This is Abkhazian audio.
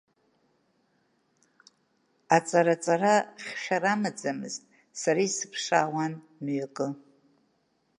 Аҵара аҵара хьшәара амаӡамызт, сара исыԥшаауан мҩакы.